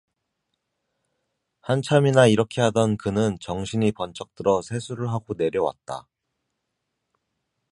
한참이나 이렇게 하던 그는 정신이 번쩍 들어 세수를 하고 내려왔다.